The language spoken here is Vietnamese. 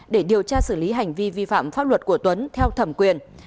để điều tra xử lý hành vi vi phạm pháp luật của tuấn theo thẩm quyền